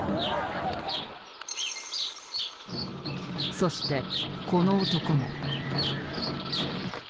そしてこの男も。